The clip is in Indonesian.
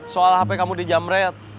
soal hp kamu di jamret